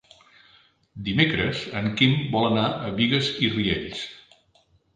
Dimecres en Quim vol anar a Bigues i Riells.